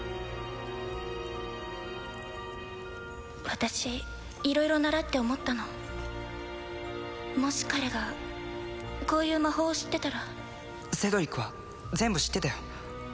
私いろいろ習って思ったのもし彼がこういう魔法を知ってたらセドリックは全部知ってたよ